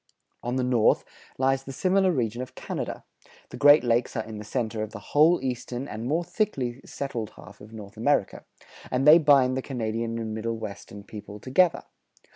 On the north lies the similar region of Canada: the Great Lakes are in the center of the whole eastern and more thickly settled half of North America, and they bind the Canadian and Middle Western people together.